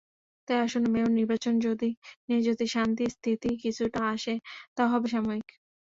তাই আসন্ন মেয়র নির্বাচন নিয়ে যদি শান্তি-স্থিতি কিছুটা আসে, তা-ও হবে সাময়িক।